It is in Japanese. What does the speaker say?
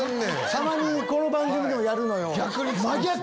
たまにこの番組でもやるのよ。